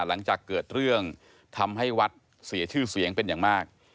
หลังจากเกิดเรื่องทำให้วัดเสียชื่อเสียงเป็นอย่างมาก